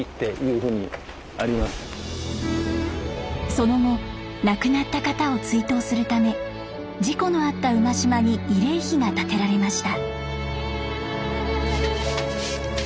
その後亡くなった方を追悼するため事故のあった馬島に慰霊碑が建てられました。